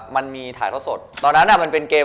มันมีถ่ายทอดสดตอนนั้นมันเป็นเกม